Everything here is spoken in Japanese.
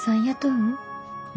うん。